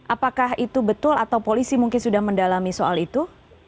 apakah itu betul atau polisi mungkin sudah mendalami soal itu